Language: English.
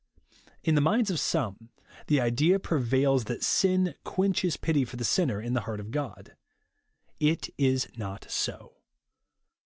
In the minds of some, the idea prevails, that sin quenches pity for the sinner, in the heart of God. It is not so.